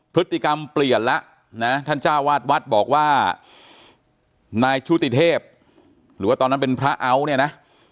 พฤติกรรมเปลี่ยนแล้วนะท่านจ้าวาดวัดบอกว่านายชุติเทพหรือว่าตอนนั้นเป็นพระเอาท์เนี่ยนะ